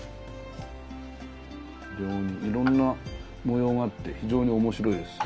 いろんな模様があって非常に面白いです。